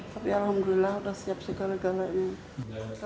tapi alhamdulillah sudah siap segala galanya